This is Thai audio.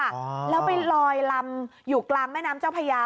แล้วไปลอยลำอยู่กลางแม่น้ำเจ้าพญา